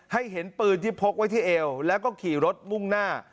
เห็นปืนที่พกไว้ที่เอวแล้วก็ขี่รถมุ่งหน้า